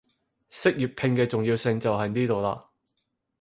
識粵拼嘅重要性就喺呢度喇